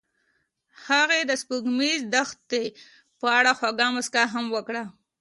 هغې د سپوږمیز دښته په اړه خوږه موسکا هم وکړه.